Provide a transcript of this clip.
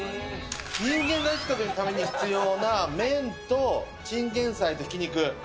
人間が生きていくために必要な麺とチンゲン菜とひき肉。